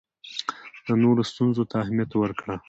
د نورو ستونزو ته اهمیت ورکړه.